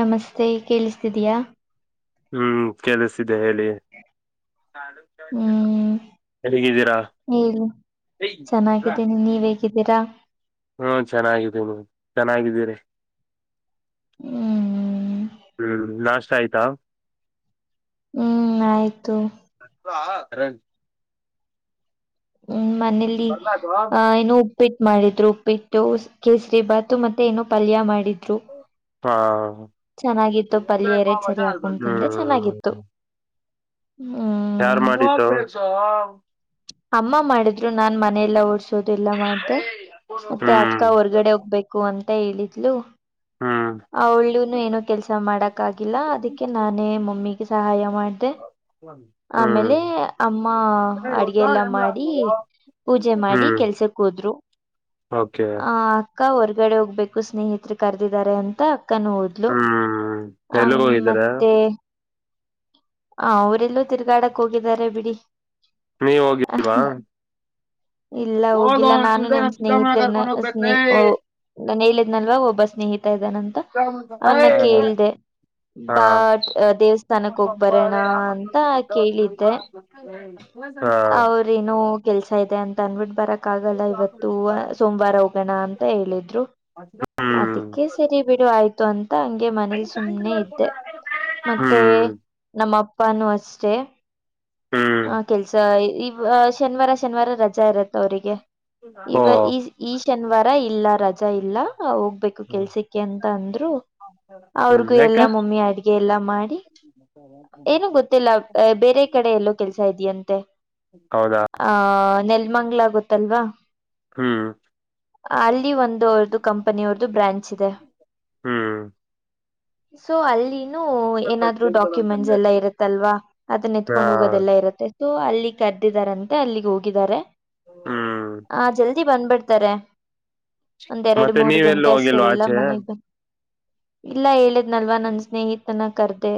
ನಮಸ್ತೆ ಕೇಳಿಸ್ತಿದೀಯಾ ಹ್ಮ್ ಕೆಲಸಿದೆ ಹೇಳಿ ಹ್ಮ್ ಹೇಗಿದ್ದೀರಾ ಹೇಳಿ ಚೆನ್ನಾಗಿದ್ದೀನಿ ನೀವ್ ಹೇಗಿದ್ದೀರಾ ಹ್ಮ ಚೆನ್ನಾಗಿದ ನೀ ಚೆನ್ನಾಗಿದ್ದೀರಿ ಹ್ಮ್ ಹ್ಮ್ ನಾಷ್ಟ ಆಯ್ತಾ ಹ್ಮ್ ಆಯ್ತು [unintelligible] ಹ್ಮ್ ಮನೇಲಿ ಆ ಏನು ಉಪಿಟ್ ಮಾಡಿದ್ರು ಉಪಿಟ್ಟು ಕೇಸರಿಬಾತು ಮತ್ತೆ ಏನೋ ಪಲ್ಯ ಮಾಡಿದ್ರು ಹಾ ಚೆನ್ನಾಗಿತ್ತು ಪಲ್ಲಿಯ ಎರೆ ಸರಿ ಹಾಕೊಂಡ ತಿಂದೆ ಚೆನ್ನಾಗಿತ್ತು ಹ್ಮ್ ಯಾರ್ ಮಾಡಿದು ಅಮ್ಮ ಮಾಡಿದ್ರು ನಾನ್ ಮನೆಯಲ್ಲಾ ಓಡ್ಸ ಎಲ್ಲ ಮಾಡ್ದ ಮತ್ತೆ ಹ್ಮ್ ಅಕ್ಕ ಹೊರ್ಗಡೆ ಹೋಗ್ಬೇಕು ಅಂತ ಹೇಳಿದ್ಲು ಹ್ಮ್ ಅವುಳ ನ ಏನೋ ಕೆಲ್ಸ ಮಾಡಕ್ ಆಗಿಲ್ಲ ಅದಕ್ಕೆ ನಾನೇ ಮಮ್ಮಿಗೆ ಸಹಾಯ ಮಾಡ್ದೆ ಆಮೇಲೆ ಹ್ಮ್ ಅಮ್ಮ ಅಡ್ಗೆ ಎಲ್ಲಾ ಮಾಡಿ ಪೂಜೆ ಮಾಡಿ ಹ್ಮ್ ಕೆಲ್ಸಕ್ ಹೋದ್ರು ಓಕೆ ಆ ಅಕ್ಕ ಹೊರ್ಗಡೆ ಹೋಗ್ಬೇಕು ಸ್ನೇಹಿತರ ಕರ್ದಿದ್ದಾರೆ ಅಂತ ಅಕ್ಕ ನೋ ಹೊದ ಹ್ಮ್ ಹ ಎಲ್ಲಿಗ್ ಹೋಗಿದ್ದೀರಾ ಮತ್ತೆ ಹ ಅವರೆಲ್ಲೂ ತಿರ್ಗಾಡಕ್ ಹೋಗಿದ್ದಾರೆ ಬಿಡಿ ನೀವ ಅಹ್, ಹೋಗಿಲ್ವಾ ಇಲ್ಲ ಹೋಗಿಲ್ಲ ನಾನು ನನ್ ಸ್ನೇಹಿತರನ ಸ ಹು ನಾನು ಹೇಳಿದ್ನಲ್ವಾ ಒಬ್ಬ ಸ್ನೇಹಿತ ಇದ್ದಾನಂತ ಅನ್ನ ಕೇಳ್ದ ಹಾ ಬಟ್ ದೇವಸ್ಥ ಹ್ಮ್ ದೇವಸ್ಥಾನಕ್ಕೆ ಹೋಗ್ಬರೋಣ ಅಂತ ಕೇಳಿದ್ದೆ. ಹ ಏನು ಕೆಲ್ಸ ಇದೆ ಅಂತ ಅಂದ್ಬಿಟ್ಟು ಬರಕ್ ಯಕ್ಕಾಗಲ್ಲ ಇವತ್ತು ಸೋಮವಾರ ಹೋಗೋಣ ಅಂತ ಹೇಳಿದ್ರು ಆದಿಕ್ ಕೇಸರಿ ಬಿಡು ಆಯ್ತು ಅಂತ ಹಂಗೆ ಮನೇಲಿ ಸುಮ್ನೆ ಇದ್ದೆ ಮತ್ತೆ ನಮ್ಮ ಅಪ್ಪಾನೂ ಅಷ್ಟೇ. ಹ್ಮ್ ಆ ಕೆಲ್ಸ ಇ ಶನಿವಾರ ಶನಿವಾರ ರಜಾ ಇರುತ್ತೆ ಅವರಿಗೆ ಓ ಇವ ಈ ಈ ಶನಿವಾರ ಇಲ್ಲ ರ ರಜಾ ಇಲ್ಲ ಹೋಗ್ಬೇಕು ಕೆಲ್ಸಕ್ಕೆ ಅಂತ ಅಂದ್ರು ಹ್ಮ್ ಅವ್ರಿಗು ಯಾಕೆ ಎಲ್ಲಾ ಮಮ್ಮಿ ಅಡ್ಗೆ ಅಡುಗೆ ಎಲ್ಲ ಮಾಡಿ ಏನು ಗೊತ್ತಿಲ್ಲ ಬೇರೆ ಕಡೆ ಎಲ್ಲ ಕೆಲ್ಸ ಇಧೆಯಂತೆ ಹೌದಾ ಆಹ ನೆಲ್ಮಂಗ್ಲ ಗೊತ್ತಲ್ವಾ ಹ್ಮ್ ಅಲ್ಲಿ ಒಂದು ಅವರದು ಕಂಪನಿ ಅವ್ರದುು ಬ್ರಾಂಚ್ ಇದೆ ಹ್ಮ್ ಸೊ ಅಲ್ಲಿ ಏನಾದ್ರು ಡಾಕ್ಯುಮೆಂಟ್ಸ್ ಎಲ್ಲ ಇರುತ್ತಲ್ವಾ ಅದನ್ನ ಹಾ ಎತ್ಕೊಂಡ್ ಹೋಗ ಸೋ ಅಲ್ಲಿ ಕರೆದಿದ್ದಾರಂತೆ ಅಲ್ಲಿಗೆ ಹೋಗಿದ್ದಾರೆ ಹ್ಮ್ ಹಾ ಜಲ ಜಲ್ದಿ ಬಂದ್ಬಿಡ್ತಾರೆ ಒಂದ್ ಎರಡು ಮತ್ತೆ ಮೂರ್ ನೀವೆಲ್ಲೂ ಗಂಟೆ ಹೋಗಿಲ್ವಾ ಆಸ್ಟ್ರಲೆಲ್ಲಾ ಆಚೆ ಮನೆಗ್ ಬ ಇಲ್ಲ ಹೇಳಿದ್ನಲ್ವ ನನ್ ಸ್ನೇಹಿತನ ಕರ್ದೆ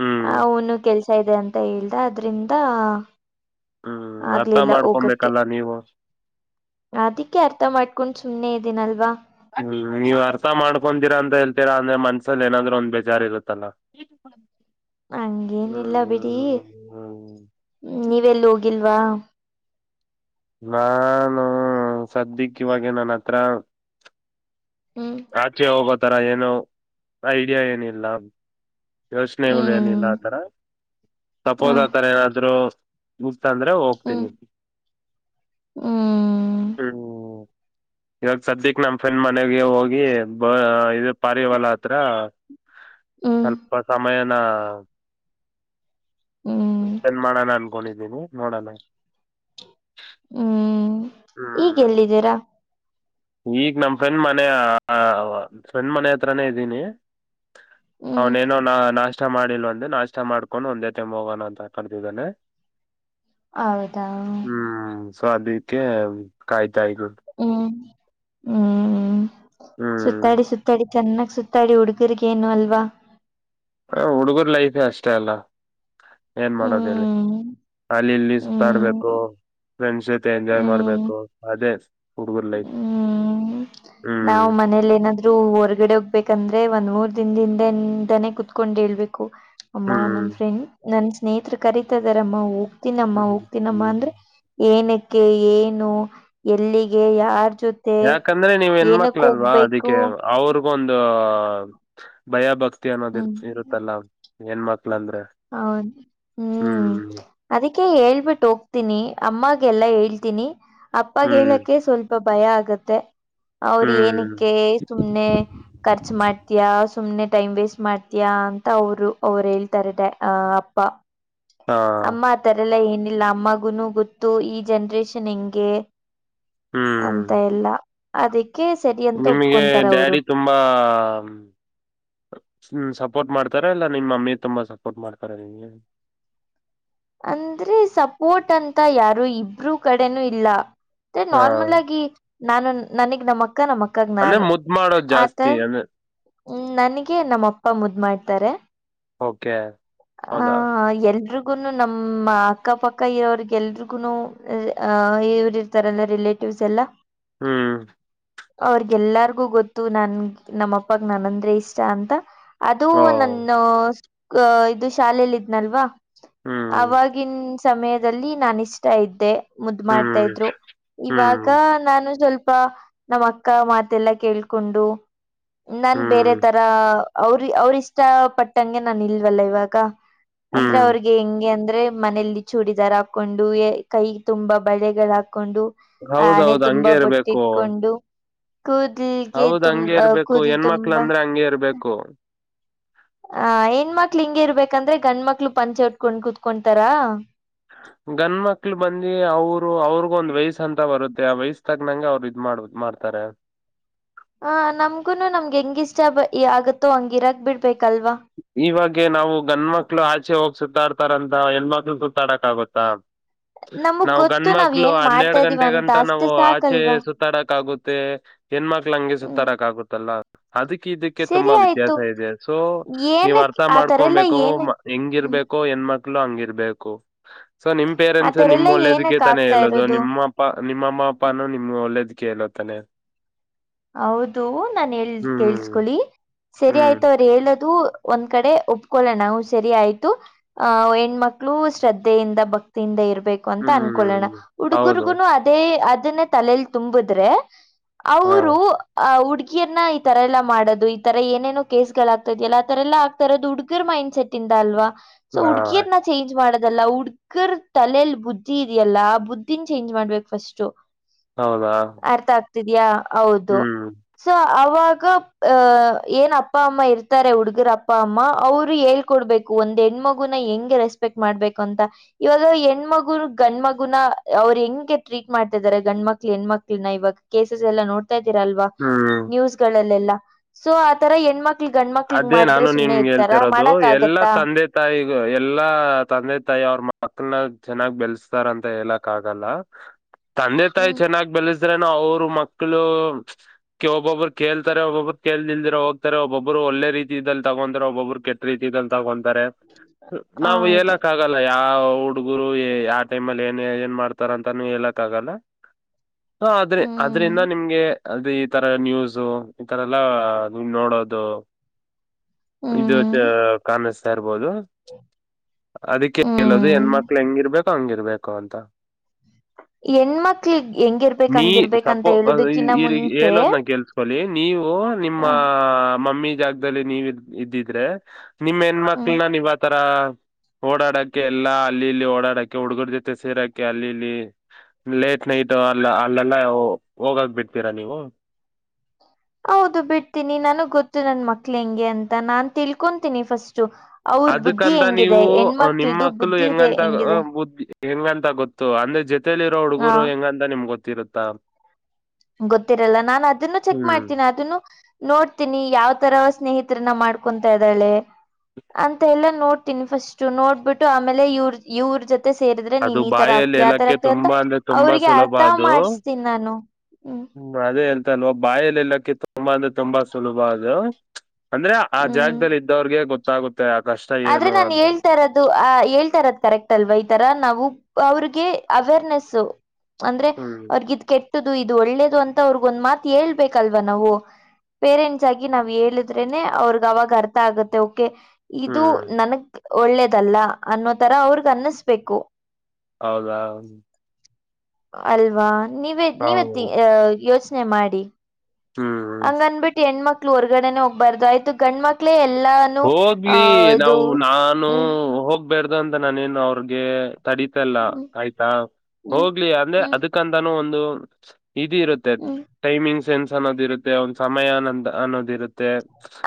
ಹ್ಮ್ ಆ ಅವನು ಕೆಲ್ಸ ಇದೆ ಅಂತ ಹೇಳ್ದ ಅದ್ರಿಂದ ಹ್ಮ್ ಅರ್ಥ ಆಗ್ಲಿಲ್ಲ ಹೋಗಕ್ಕೆ. ಮಾಡ್ಕೊಬೇಕಲ್ಲ ನೀವು ಅದಕ್ಕೆ ಅರ್ಥ ಮಾಡ್ಕೊಂಡು ಸುಮ್ಮ್ನೆ ಇದಿನಲ್ವಾ ಹ್ಮ್ ನೀವ್ ಅರ್ಥ ಮಾಡ್ಕೊಂತೀರಾ ಅಂತ ಹೇಳ್ತೀರಾ ಅಂದ್ರೆ ಮನ್ಸಲ್ಲಿ ಏನಾದ್ರರು ಒಂದ್ ಬೇಜಾರ್ ಇರುತ್ತಲ್ಲಾ. [unintelligible] ಹ್ಮ್ ಹಂಗೇನಿಲ್ಲ ಹ್ಮ್ ಹ್ಮ ಹ್ಮ ಹ್ಮ್ ನೀವೆಲ್ಲು ಹೋಗಿಲ್ವಾ. ನಾನು ಸದ್ಯಕ್ಕೆ ಇವಾಗ ನಾನ್ ಹತ್ರ ಹ್ಮ್ ಆಚೆ ಹೋಗೋತರ ಏನು ಐಡಿಯಾ ಏನಿಲ್ಲ. ಯೋಚನೆಗಳು ಏನಿಲ್ಲ ಹ್ಮ್ ಆತರ ಹ ಸಪೋಸ್ ಆತರ ಏನಾದ್ರು ಇತ್ ಅಂದ್ರೆ ಹೊಗ ಹ್ಮ್ ಹ್ಮ್ ಹ್ಮ ಇವಾಗ ಸದ್ಯಕ್ ನಮ್ ಫ್ರೆಂಡ್ ಮನೆಗೆ ಹೋಗಿ ಬ ಇದು ಪಾರಿವಾಳ ಹತ್ರ ಹ್ಮ ಸಮಯನಾ ಹ್ಮ್ ಸ್ಪೆಂಡ್ ಮಾಡಣ ಅನ್ಕೊಂಡಿದೀನಿ ನೋಡೋಣ. ಹ್ಮ್ ಈಗ ಹ್ಮ್ ಎಲ್ಲಿದ್ದೀರಾ. ಈಗ ನಮ್ಮ ಫ್ರೆಂಡ್ ಮನೆ ಫ್ರೆಂಡ್ ಮನೆ ಹತ್ರಾನೇ ಇದ್ದೀನಿ. [inaudible] ಅವ್ನೇನೋ ನಾ ನಾಷ್ಟ ಮಾಡಿಲ್ವಂತೆ ನಾಷ್ಟ ಮಾಡ್ಕೊಂಡು ಒಂದೇ ಟೈಮ್ ಹೋಗೋಣ ಅಂತ ಕರೆದಿದ್ದಾನೆ. ಹ್ಮ [unintelligible] ಹ್ಮ್ ಸೊ ಅದಕ್ಕೆ ಕಾಯ್ತಾಇದೀನಿ. ಹ್ಮ್ ಹ್ಮ್್ಮ ಹ್ಮ್ ಸುತ್ತಾಡಿ ಸುತ್ತಾಡಿ ಚೆನ್ನಾಗ್ ಸುತ್ತಾಡಿ ಹುಡ್ಗುರ್ಗೇನು ಅಲ್ವಾ. ಹ ಹುಡುಗರ್ ಲೈಫೇ ಅಷ್ಟೇ ಅಲ್ಲ ಏನ್ ಮಾಡೋದ ಹೇಳಿ ಹ್ಮ್ ಅಲ್ಲಿ ಇಲ್ಲಿ ಹ್ಮ್ ಸುತ್ತಾಡ್ಬೇಕು ಫ್ರೆಂಡ್ಸ್ ಜೊತೆ ಎಂಜಾಯ್ ಹ್ಮ್ ಮಾಡ್ಬೇಕು ಅದೇ ಹುಡುಗುರ್ ಲೈಫ್ ಹ್ಮ್ ನಾವ್ ಮನೇಲಿ ಏನಾಧ್ರು ರು ಹೊರ್ಗಡೆ ಹೋಗ್ಬೇಕಂದ್ರೆ ಒಂದ್ ಮೂರ್ ದಿನದಿಂದಿಂದಾನೇ ಕುೂತ್ಕೊಂಡ್ ಹೇಳ್ಬೇಕು ಅಮ್ಮ ಹ್ಮ್ ನನ್ ಫ್ರೆಂಡ್ ನನ್ ಸ್ನೇಹಿತರು ಕರೀತಾ ಇದಾರಮ್ಮ ಹೋಗ್ತೀನಮ್ಮ ಹ್ಮ್ ಹೋಗ್ತೀನಮ್ಮ ಹ್ಮ್. ಅಂದ್ರೆ ಏನಕ್ಕೆ ಏನು ಎಲ್ಲಿಗೆ ಯಾರ್ ಜೊತೆ ಯಾಕಂದ್ರೆ ನೀವ್ ಏನಕ್ ಹೆಣ್ಮಕ್ಳಲ್ವಾ ಹೋಗ್ಬೇಕು ಅದಕ್ಕೆ ಅವ್ರಿಗೊಂದು ಭಯ ಭಕ್ತಿ ಅನ್ನೋದ ಇರ್ ಹ್ಮ್ ಇರುತ್ತಲ್ಲ ಏನ್ ಮಕ್ಕಳು ಅಂದ್ರೆ ಹೌದು ಹ್ಮ್ ಅದಕ್ಕೆ ಹೇಳ್ಬಿಟ್ಟು ಹೋಗ್ತೀನಿ ಅಮ್ಮಗೆಲ್ಲಾ ಹೇಳ್ತೀನಿ ಅಪ್ಪಾಗ ಹ್ಮ್ ಹೇಳಕ್ಕೆ ಸ್ವಲ್ಪ ಸ್ವಲ್ಪ ಭಯ ಆಗತ್ತೆ ಅವ್ರ ಹ್ಮ್ ಏನಕ್ಕೆ ಸುಮ್ನೆ ಕರ್ಚು ಮಾಡ್ತೀಯ ಸುಮ್ನೆ ಟೈಮ್ ವೇಸ್ಟ್ ಮಾಡ್ತೀಯ ಅಂತ ಅವರು ಎಲ್ತಾರೆ ಹ ಅಪ್ಪಾ ಹಾ ಅಮ್ಮ ತರೆಲ್ಲ ಏನಿಲ್ಲ ಅಮ್ಮಗುನು ಗೊತ್ತು ಈ ಜನ್ರೇಷನ್ ಹೆಂಗೆ ಹ್ಮ್ ಅಂತ ಎಲ್ಲ ಅದಕ್ಕೆ ಸರಿ ಅಂತ ನಿಮಗೆ ಒಪ್ಕೊಂತಾರ ಅವರು ಡ್ಯಾಡಿ ತುಂಬಾ ್ಮ ಸಪೋರ್ಟ್ ಮಾಡ್ತಾರ ಇಲ್ಲ ನಿಮ್ಮ್ ಮಮ್ಮಿ ತುಂಬಾ ಸಪೋರ್ಟ್ ಮಾಡ್ತಾರ ನಿಮಗೆ ಅಂದ್ರೆ ಸಪೋರ್ಟ್ ಅಂತ ಯಾರು ಇಬ್ರುೂ ಕಡೆನೂ ಇಲ್ಲ ಮತ್ತೆ ಹಾ ನಾರ್ಮಲ್ ಆಗಿ ನಾನು ನನಗ್ ನಮ್ಮ ಅಕ್ಕ ನಮ್ಮ ಅಕ್ಕಾಗ ಅಂದ್ರೆ ನಾನು ಮುದ್ ಮಾಡೋದ್ ಆತ ಜಾಸ್ತಿ ಅಂದ್ರೆ ಹ್ಮ್ ನನಗೆ ನಮ್ಮಪ್ಪ ಮುದ್ ಮಾಡ್ತಾರೆ ಓಕೆ ಹೌದಾ ಹ ಎಲ್ರುೂ ನಮ್ಮ ಅಕ್ಕ ಪಕ್ಕ ಇರೋ್ರಿಗೆ ಎಲ್ರಿಗುನು ಅ ಇವ್ರ ಲ್ಲ ರಿಲೇಟಿವ್ಸ್ ಎಲ್ಲ ಹ್ಮ್ ಅವ್ರಗೆಎಲ್ಲಾರ್ಗೂ ಗೊತ್ತು ನನ್ ನಮ್ಮ ಅಪ್ಪಾಗ್ ನನ್ಂದ್ರೆ ಇಷ್ಟ ಅಂತ ಅದು ಓ ನನ್ನ ಇದು ಶಾಲೆಯಲ್ಲಿ ಇದ್ನಲ್ವಾ ಹ್ಮ್ ಆವಾಗಿನ ಸಮಯದಲ್ಲಿ ನಾನ ಇಷ್ಟ ಇದ್ದೆ ಮುದ್ ಹ್ಮ್ ಮಾಡಾ್ತಾ ಇದ್ರು ಇವಾಗ ಹ್ಮ್ ನಾನು ಸ್ವಲ್ಪ ನಮ್ಮ್ ಅಕ್ಕ ಮಾತೆಲ್ಲ ಕೇಳ್ಕೊಂಡು ನನ್ ಬೇರೆ ಹ್ಮ್ ತರ ಅವ್ರ ಅವ್ರ ಇಷ್ಟ ಪಟ್ಟಂಗೆ ನಾನ ಇಲ್ವಲ್ಲ ಇವಾಗ ಅಂದ್ರೆ ಹ್ಮ್ ಅವ್ರಿಗೆ ಹೆಂಗೆ ಅಂದ್ರೆ ಮನೆಯಲ್ಲಿ ಚೂಡಿದಾರ ಹಾಕೊಂಡು ಕೈ ತುಂಬಾ ಬಳೆಗಳ ಹಾಕೊಂಡು ಆ ಅಣೆ ಹೌದೌದು ಹಂಗೆ ತುಂಬಾ ಇರ್ಬೇಕು ಬೊಟ್ಟಿಟ್ಕೊಂಡು ಕೂುದಲ್ಗೆ ಹೌದ್ ಹಂಗೆ ತುಂಬ ಇರ್ಬೇಕು ಕೂುದಲ್ ಹೆಣ್ಮಕ್ಳ ತುಂಬಾ ಅಂದ್ರೆ ಹಂಗೆ ಇರ್ಬೇಕು ಆ ಹೆಣ್ಮಕ್ಳ ಹಿಂಗ ಇರ್ಬೇಕಂದ್ರೆ ಗಂಡ ಮಕ್ಳು ಪಂಚೆ ಉಟ್ಕೊಂಡ್ ಕುೂತ್ಕೊತಾರ ಗಂಡ ಮಕ್ಳು ಬಂದಿ ಅವರು ಅವ್ರಗ ಒಂದ್ ವಯಸ್ಸ ಅಂತ ಬರುತ್ತೆ ಆ ವಯಸ್ಸ ತಗ್ನಂಗೆ ಅವ್ರು ಇದ್ ಮಾಡ್ ಮಾಡ್ತಾರೆ ಹ ನಮ್ಗುನು ನಮ್ಗೆ ಹೆಂಗಿಷ್ಟ ಆಗತ್ತೋ ಹಂಗಿರಗ್ ಬಿಡ್ಬೇಕಲ್ವಾ ಇವಾಗ ನಾವು ಗಂಡ ಮಕ್ಳು ಆಚೆ ಹೋಗಿ ಸುತ್ತಾಡ್ತಾರಂತ ಹೆಣ್ಮಕ್ಳು ಸುತ್ತಾಡಕ್ ಆಗುತ್ತಾ ನಮಗ್ ನಾವು ಗಂಡ ಗೊತ್ತು ನಾವ್ ಮಕ್ಳು ಏನ್ ಮಾಡ್ತಾ ಹನ್ನೆರಡು ಇದೀವ ಗಂಟೆ ಅಂತ ಗಂಟ ಅಷ್ಟೇ ನಾವು ಆಚೆ ಸಾಕಲ್ವಾ ಸುತ್ತ ಸುತ್ತಾಡಕ್ ಆಗುತ್ತೆ ಹೆಣ್ಮಕ್ಳ ಹಂಗೆ ಹ್ಮ್ ಸುತ್ತಾಡಕ್ ಆಗುತ್ತಲ್ಲ ಅದಕ್ಕೆ ಇದಕ್ಕೆ ಸರಿ ತುಂಬಾ ಆಯ್ತು ವ್ಯತ್ಯಾಸ ಇದೆ ಸೊ ನೀವ್ ಏನಕ್ ಅರ್ಥ ಆ ತರ ಎಲ್ಲ ಮಾಡ್ಕೊಬೇಕು ಏನಕ್ ಹ್ಮ್ ಹೆಂಗಿರ್ಬೇಕು ಹೆಣ್ಮಕ್ಳು ಹಂಗಿರ್ಬೇಕು ಸೊ ನಿಮ್ ಆ ಪೇರೆಂಟ್ಸ್ ತರ ನಿಮ್ ಎಲ್ಲ ಒಳ್ಳೇದಕ್ಕೆ ಏನಕ್ ತಾನೆ ಆಗ್ತಾ ಹೇಳೋದು ಇರೋದು ನಿಮ್ಮ ನಿಮ್ಮಮ್ಮ ಅಪ್ಪಾನೂ ನಿಮ್ಗೆ ಒಳ್ಳೇದ್ ಕಲತಾನೆ ಹೌದು ನಾ ಹೇಳ ಹ್ಮ್ ಕೇಳಸ್ಕೊಳ್ಳಿ ಸರಿ ಆಯ್ತ ಹ್ಮ್ ಅವ್ರ ಹೇಳೋದು ಒಂದ್ ಕಡೆ ಒಪ್ಕೊಳ್ಳೋಣವು ಸರಿ ಆಯ್ತು ಆಹ ಹೆಣ್ಮಕ್ಳು ಶ್ರದ್ಧೆಯಿಂದ ಭಕ್ತಿಯಿಂದ ಇರ್ಬೇಕು ಅಂತ ಅನ್ಕೋೊಳ್ಳೋಣ ಹ್ಮ್ ಹೌದು ಹುಡುಗುರ್ಗುನು ಅದೇ ಅದನ್ನ ತಲಲಿ ತುಂಬುದ್ರೆ ಹಾ ಅವರು ಆ ಹುಡ್ಗಿಯನ್ನ ಈ ತರ ಎಲ್ಲ ಮಾಡೋದು ಈ ತರ ಏನೇನು ಕೇಸ್ಗಳಾಗಗ್ತದ ಅಲ್ಲ ಆ ತರ ಎಲ್ಲಾ ತರದ್ುಗರ್ ಮೈಂಡ್ ಸೆಟ್ ಇಂದ ಅಲ್ವಾ ಸೊ ಹಾ ಹುಡ್ಗೀರ್ನ ಚೇಂಜ್ ಮಾಡೋದಲ್ಲ ಹ ಅಕ್ಕರ್ ತಲೆಲ್ ಬುದ್ಧಿ ಇದೆಯಲ್ಲಾ ಬುದ್ಧನ್ ಚೇಂಜ್ ಮಾಡ್ಬೇಕ್ ಫಸ್ಟ್. ಹೌದಾ ಅರ್ಥ ಆಗ್ತಿದ್ಯಾ ಹೌದು ಹ್ಮ್ ಸೊ ಅವಾಗ ಅಹ. ಏನ್ ಅಪ್ಪ ಅಮ್ಮ ಇರ್ತಾರೆ ಹುಡುಗುರ್ ಅಪ್ಪ ಅಮ್ಮ ಅವ್ರು ಹೇಳ್ಕೊಡ್ಬೇಕು ಒಂದ್ ಹೆಣ್ಮಗುನ ಹೆಂಗೆ ರೆಸ್ಪೆಟ್ ಸ್ಪೆಕ್ ಮಾಡ್ಬೇಕು ಅಂತ. ಇವಾಗ ಹೆಣ್ಮಗುನು ಗಂಡ್ ಮಗುನ ಅವ್ರು ಹೆಂಗೆ ಟ್ರೀಟ್ ಮಾಡ್ತಿದಾರೆ ಗಂಡ್ ಮಕ್ಳ ಹೆಣ್ಮಕ್ಳನ್ನ ಇವಾಗ. ಕೇಸಸ್ ಎಲ್ಲಾ ನೋಡ್ತಾ ಇದ್ದೀರಾಲ್ವಾ ಹ್ಮ್ ನ್ಯೂಸ್ಗಳಲ್ಲೆಲ್ಲ ಸೊ ಆತರ ಹೆಣ್ಮಕ್ ಮಕ್ಳ ಗಂಡ ಮಕ್ಳಗ್ ಅದೇ ಮಾಡಿದ್ರೆ ನಾನು ಸುಮ್ಮನೆ ಇತಾರ ಮಾಡಕ್ ಆಗುತ್ತಾ. ತಾಯಿಗು ಎಲ್ಲಾ ತಂದೆ ತಾಯಿ ಅವ್ರ ಮಕ್ಳನ ಚೆನ್ನಾಗ್ ಬೆಲ್ಸ್ತಾರ ಅಂತ ಹೇಲಕ್ ಆಗಲ್ಲ. ತಂದೆ ತಾಯಿ ಹ್ಮ್ ಚೆನ್ನಾಗ್ ಬೆಲಸ್ ಆದ್ರೆ ಅವ್ರ ಮಕ್ಕಳು ಒಬ್ಬೊಬ್ಬರು ಕೇಲ್ತರೆ ಒಬ್ಬೊಬ್ಬರು ಕೇಲ್ದಲ್ದಿರ ಹೋಗ್ತಾರೆ ಒಬ್ಬೊಬ್ರು. ಒಬ್ರು ಒಲ್ಲೆ ರೀತಿದಲ್ ತಗೊರೆ ಒಬ್ಬೊಬ್ರು ಕೆಟ್ ರೀತಿದಲ್ ತಗೊತಾರೆ ನಾವು ಹೌದು ಹೇಲಕ್ ಆಗಲ್ಲ. ಲ್ಲ ಯಾವ್ ಹುಡ್ಗರು ಯಾ ಟೈಮಲ್ಲಿ ಏನ್ ಏನ್ ಮಾಡ್ತಾರ್ ಅಂತನು ಹೇಲಕ್ ಆಗಲ್ಲ. ಹಾ ಆದ್ರೆ ಹ್ಮ್ ಅದ್ರಿಂದ ನಿಮ್ಗೆ. ಅದು ಈ ತರ ನ್ಯೂಸ ಈ ತರ ಎಲ್ಲಾ ನೀವ್ ನೋಡೋದು. ಇದು ದ್ ಹ್ಮ್ ಕಾನಸ್. ತಾ ಇರ್ಬೋದು ಅದಕ್ಕೆ ಹೆಲೋದು ಹೆಣ್ ಹ್ಮ್ ಮಕ್ಳ ಹೆಂಗಿರ್ಬೇಕೊ ಹಂಗಿರ್ಬೇಕು ಅಂತ. ಹೆಣ್ಮಕ್ಳಗ್ ಹೆಂಗಿರ್ಬೇಕ ನೀ ಹಂಗಿರ್ಬೇಕ ಅಂತ ಹೇಳೊದಕ್ಕಿನ್ನ ಮುಂಚೆ. ಸೊಲಿ ನೀವು ನಿಮ್ಮ ಹ ಮಮ್ಮಿ ಜಾಗ್ದಲ್ಲಿ ನೀವು ಇದ್ದಿದ್ರೆ. ನಿಮ್ ಹೆನ್ ಹ್ಮ್ ಮಕ್ಳನ ನೀವ್ ಅತರ. ಓಡಾಡಕ್ಕೆ ಎಲ್ಲಾ ಅಲ್ಲಿ ಇಲ್ಲಿ ಓಡಾಡಕ್ಕೆ ಹುಡುಗರ್ ಜೊತೆ ಸೇರಕೆ ಅಲ್ಲಿ ಇಲ್ಲಿ. ಲೇಟ್ ನೈಟ್ ಅಲ್ ಅಲ್ಲೆಲ್ಲ ಹೋಗಾಕ್ ಬಿಡ್ತೀರಾ ನೀವು. ಹೌದು ಬಿಡ್ತೀನಿ ನನಗ್ ಗೊತ್ತು ನನ್ ಮಕ್ಳ ಹೆಂಗೆ ಅಂತ ನಾನ್ ತಿಳ್ಕೊಂತೀನಿ ಫಸ್ಟು. ಅವ್ರ್ ಬುದ್ಧಿ ಅದಕ್ಕಂತ ಹೆಂಗಿದೆ ನೀವು ನಿಮ್ಮ ಹೆಣ್ಮಕ್ಳದು ಮಕ್ಳು ಬುದ್ಧಿ ಇದೆ ಹೆಂಗಂತ ಹೆಂಗಿದೆ. ಬುದ್ಧಿ ಹೆಂಗಂತ ಗೊತ್ತು ಅಂದ್ರೆ ಜೊತೆಲಿ ಇರೋ ಹ ಹುಡುಗರು ಹೆಂಗಂತ ನಿಮ್ ಗೊತ್ತಿರುತ್ತಾ. ಗೊತ್ತಿರಲ್ಲ ನಾನ್ ಅದನ್ನು ಚೆಕ್ ಹ್ಮ್ ಮಾಡ್ತೀನಿ ಅದನ್ನು. ನೋಡ್ತೀನಿ ಯಾವ್ ತರ ಸ್ನೇಹಿತರನ್ನ ಮಾಡ್ಕೊತ ಇದ್ದಾಳೆ ಅಂತ ಎಲ್ಲ ನೋಡ್ ತಿನ್ ಫಸ್ಟು ನೋಡ್ಬಿಟ್ಟು ಆಮೇಲೆ ಇವ್ರ್ ಇವ್ರ್ ಜೊತೆ. ಮತ್ತೆ ಸೇರುದ್ರೆ ಅದು ನೀನ್ ಈ ತರ ಬಾಯಲ್ಲಿ ಆಗ್ತಿಯ ಅತರ ಎಲ್ಲಕ್ಕೆ ಆಗ್ತಿಯ ಅಂತ ತುಂಬಾ ಅಂದ್ರೆ ತುಂಬಾ ಅವ್ರಿಗೆ ಸುಲಭ ಅರ್ಥ ಅದು ಮಾಡಸ್ತೀನ್ ನಾನು. ಹ್ಮ್ ಅದೇ ಅಲ್ತ ಅಲ್ವಾ ಬಾಯಲ್ಲಿ ಎಲ್ಲಾಕ್ಕೆ ತುಂಬಾ ಅಂದ್ರೆ ತುಂಬಾ ಸುಲಭ ಅದು. ಅಂದ್ರೆ ಆ ಹ್ಮ್ ಜಾಗದಲ್ಲಿ ಇದ್ದವ್ರಿಗೆ ಗೊತ್ತಾಗುತ್ತೆ ಆ ಕಷ್ಟ ಏನು ಅಂತ. ಅದು ಅ ಹೇಳ್ತಾರದ್ ಕರೆಕ್ಟ್ ಅಲ್ವಾ ಈ ತರ ನಾವು ಅವ್ರಿಗೆ ಅವೇರ್ನೆಸು. ಅಂದ್ರೆ ಹ್ಮ್ ಅವ್ರಗಿದ್ ಕೆಟ್ಟ್ದು ಇದು ಒಳ್ಳೇದು ಅಂತ ಅವ್ರಗೊಂದ್ ಮಾತ್ ಹೇಳ್ಬೇಕಲ್ವಾ ನಾವು. ಪೇರೆಂಟ್ಸ್ ಆಗಿ ನಾವ್ ಹೇಳಿದ್ರೇನೆ ಅವ್ರಗ್ ಅವಾಗ ಅರ್ಥ ಆಗುತ್ತೆ ಓಕೆ. ಇದು ಹ್ಮ್ ನನ್ಗ್ ಒಳ್ಳೇದಲ್ಲ ಅನ್ನೋ ತರ ಅವ್ರಗ್ ಅನ್ನಸ್ಬೇಕು. ಹೌದಾ ಅಲ್ವಾ ನೀವೇ ನೀವೆತ್ ಹೌದು ಅ ಯೋಚ್ನೆ ಮಾಡಿ. ಹ್ಮ ಹಂಗಂದ್ಬಿಟ್ ಹೆಣ್ಮಕ್ಳು ಹೊರ್ಗಡೆನೆ ಹೋಗ್ಬಾರ್ದು ಆಯ್ತು ಗಂಡ್ಮಕ್ಳೇ ಎಲ್ಲಾನು. ಆ ಲಿ ಇದು ನಾವು ನಾನು ಹ್ಮ್ ಹೋಗ್ಬಾರ್ದು ಅಂತ ನಾನೇನು ಅವ್ರಗೆ ತಡಿ ತಲ್ಲ ಹ್ಮ್ ಆಯ್ತಾ ಹ್ಮ್ ಹೋಗ್ಲಿ ಅಂದ್ರೆ ಹ್ಮ್ ಅದಕ್ಕಂತಾನೂ ಒಂದು ಇದ್ ಇರುತ್ ತೆ ಹ್ಮ್ ಟೈಮಿಂಗ್ ಸೆನ್ಸ್ ಅನ್ನೋದ್ ಇರುತ್ತೆ ಒಂದ್ ಸಮಯ ಅನ್ನೋದ್ ಅನ್ನೋದ್ ಇರುತ್ತೆ.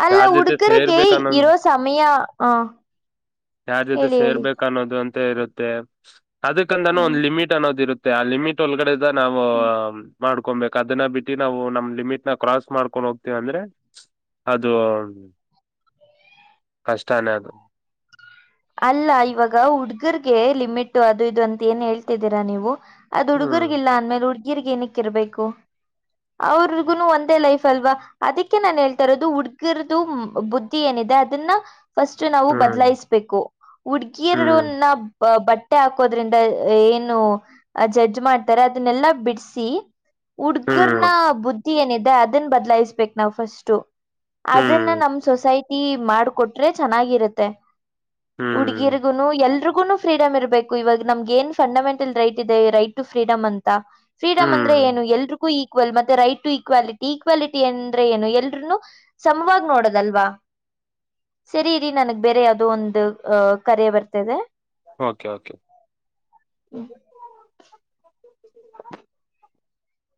ಅಲ್ಲ ಉಡ್ಗುರ್ಗೆ ಇರೋ ಸಮಯಾ ಹ ಹೇಳಿ ಹೇಳಿ. ಕ ಅನ್ನೋದು ಅಂತ ಇರುತ್ತೆ ಅದಕಂದಾನ ಹ್ಮ್ ಒಂದ್ ಲಿಮಿಟ್ ಅನ್ನೋದು ಇರುತ್ತೆ ಆ ಲಿಮಿಟ್. ಟೋಲ್ಗಡೆದ ನಾವು. ಹ್ಮ್ ಮಾಡ್ಕೋಂಬೇಕ್ ಅದನ್ನ ಬಿಟ್ಟಿ ನಾವು ನಮ್ ಲಿಮಿಟ್ನ ಕ್ರಾಸ್ ಮಾಡ್ಕೊಂಡ್ ಹೋಗ್ತಿವ್ ಅಂದ್ರೆ. ಅದು ಕಷ್ಟಾನೇ ಅದು. ಅಲ್ಲ ಇವಾಗ ಹುಡ್ಗರ್ಗೆ ಲಿಮಿಟ್ ಅದು ಇದು ಅಂತ ಏನ್ ಹೇಳ್ತಿದ್ದೀರಾ ನೀವು. ಅದ್ ಹ್ಮ್ ಹುಡುರ್ಗಿಲ್ಲ ಅಂದ್ಮೇಲೆ ಹುಡ್ಗಿರ್ಗ್ ಏನಕ್ ಇರ್ಬೇಕು. ಅವ್ರಗು ಒಂದೇ ಲೈಫ್ ಅಲ್ವಾ ಅದಕ್ಕೆ ನಾನು ಹೇಳ್ತಾ ಇರೋದು ಹುಡ್ಗಿರದು ಬುದ ಏನಿದೆ ಅದನ್ನ ಫಸ್ಟ್ ನಾವು ಹ್ಮ್ ಬದ್ಲಾಯಿಸ್ಬೇಕು ಹ್ಮ್ ಹುಡ್ಗಿಯರನ್ನ ಬಟ್ಟೆ ಹಾಕೋದ್ರಿಂದ ಏನು ಜಡ್ಜ್ ಮಾಡ್ತಾರೆ ಅದನ್ನೆಲ್ಲಾ ಬಿಡ್ಿಸಿಿ ಹುಡ್ಗರ್ನ ಬುದ್ಧಿ ಏನಿದೆ ಅದನ್ನ ಬದ್ಲಾಯಿಸ್ಬೇಕಕ್ ನಾವ್ ಫಸ್ಟ್ು ಅದನ್ನ ಹ್ಮ್ ನಮ ಸೊಸೈಟಿ ಮಾಡ್ಕೊಟ್ರೆ ಚೆನ್ನಾಗಿರತ್ತೆ ಉಡುಗಿಯರ ಹ್ಮ್ ಹ್ಮ್ ಎಲ್ರಿಗೂನು ಫ್ರೀಡಮ ಇರ್ಬೇಕು ಇವಾಗ ನಮ್ಗೆ ಏನ್ ಫಂಡಮೆಂಟಲ್ ರೈಟ್ ಇದೆ ರೈಟ್ ಟ ಫ್ರೀಡ್ ಅಂತ ಫ್ರೀಡಮ್ ಅಂದ್ರೆ ಹ್ಮ್ ಏನು ಎಲ್ರು ಈಕ್ವಲ್ ಮತ್ತೆ ರೈಟ್ ಟು ಈಕ್ವಾಲಿಟಿ ಈಕ್ವಾಲಿಟಿ ಅಂದ್ರೆ ಏನು ಎಲ್ರುನು ಸಮವಾಗಿ ನೋಡದಲ್ವಾ ಸರಿ ಇರಿ ನನ್ಗ್ ಬೇರೆ ಯಾವವು್ದೋ ಒಂದು ಅಹ ಕರಿೆಯ ಬರ್ತದೆ ಓಕೆ ಓಕೆ